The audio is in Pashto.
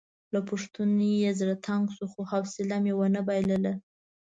له پوښتنو یې زړه تنګ شو خو حوصله مې ونه بایلله.